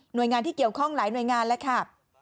โดยงานที่เกี่ยวข้องหลายหน่วยงานแล้วค่ะ